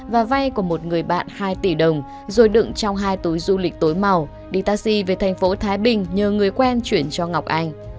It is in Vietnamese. và vay của một người bạn hai tỷ đồng rồi đựng trong hai túi du lịch tối màu đi taxi về thành phố thái bình nhờ người quen chuyển cho ngọc anh